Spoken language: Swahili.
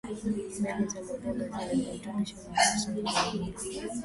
mbegu za maboga zina virutubisho muhimu sana kwenye mwili